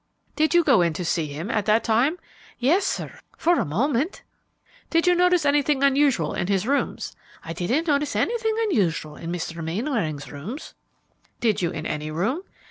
"Did you go in to see him at that time?" "Yes, sir, for a moment." "Did you notice anything unusual in his rooms?" "I didn't notice anything unusual in Mr. Mainwaring's rooms." "Did you in any room?"